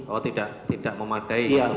oh tidak memadai